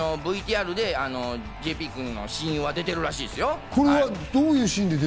ＶＴＲでＪＰ君の親友は出てるらしいですよ。